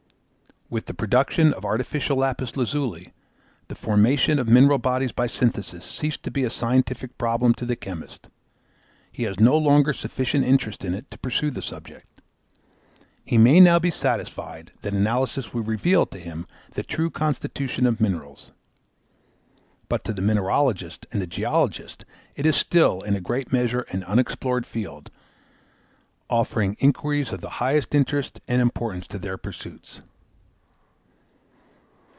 With the production of artificial lapis lazuli, the formation of mineral bodies by synthesis ceased to be a scientific problem to the chemist; he has no longer sufficient interest in it to pursue the subject. He may now be satisfied that analysis will reveal to him the true constitution of minerals. But to the mineralogist and geologist it is still in a great measure an unexplored field, offering inquiries of the highest interest and importance to their pursuits.